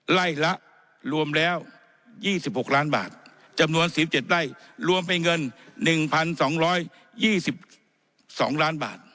ไล่ละรวมแล้ว๒๖ล้านบาทจำนวน๑๗ไร่รวมเป็นเงิน๑๒๒ล้านบาท